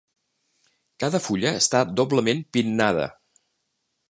Cada fulla està doblement pinnada.